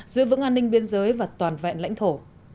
giữ vững an ninh biên giới và toàn vẹn lãnh thổ